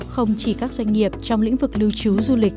không chỉ các doanh nghiệp trong lĩnh vực lưu trú du lịch